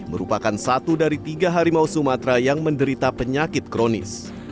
merupakan satu dari tiga harimau sumatera yang menderita penyakit kronis